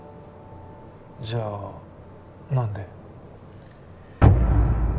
じゃあ何で？